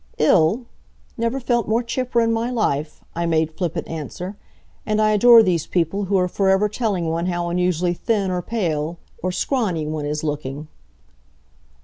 "Ill? Never felt more chipper in my life," I made flippant answer, "and I adore these people who are forever telling one how unusually thin, or pale, or scrawny one is looking."